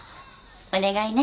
お願いね。